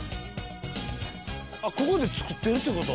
ここで作ってるってこと？